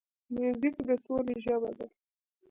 موزیک د سولې ژبه ده.